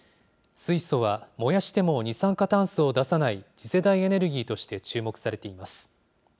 水素は燃やしても二酸化炭素を出さない次世代エネルギーとして、注目されています。